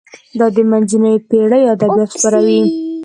دا د منځنیو پیړیو ادبیات خپروي.